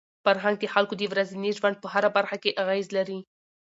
فرهنګ د خلکو د ورځني ژوند په هره برخه کي اغېز لري.